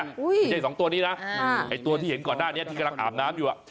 ไม่ใช่สองตัวนี้นะไอ้ตัวที่เห็นก่อนหน้านี้ที่กำลังอาบน้ำอยู่